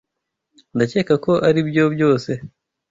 Ndakeka ko aribyo byose